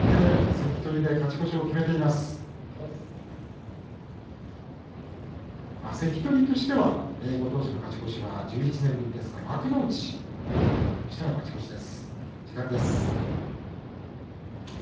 関取としてはご当所の勝ち越しは１１年ぶりですが幕内としては初めての勝ち越しです。